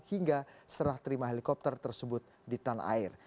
hingga serah terima helikopter tersebut di tanah air